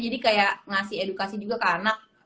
jadi kayak ngasih edukasi juga ke anak